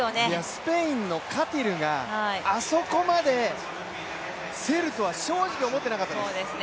スペインのカティルがあそこまで競るとは正直思ってなかったです。